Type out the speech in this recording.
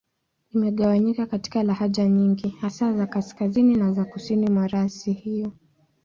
Imegawanyika katika lahaja nyingi, hasa za Kaskazini na za Kusini mwa rasi hiyo.